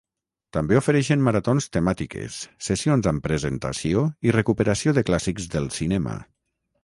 També ofereixen maratons temàtiques, sessions amb presentació i recuperació de clàssics del cinema.